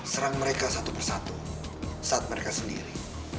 serang mereka satu persatu saat mereka sendiri